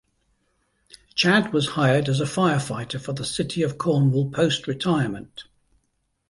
Chad was hired as a firefighter for the City of Cornwall post retirement.